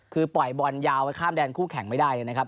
คือปล่อยบอลยาวไปข้ามแดนคู่แข่งไม่ได้เลยนะครับ